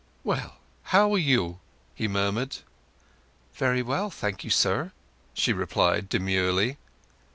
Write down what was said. "Well, how are you?" he murmured. "Very well, thank you, sir," she replied demurely.